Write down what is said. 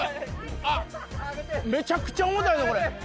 あっ、めちゃくちゃ重たいよ、これ。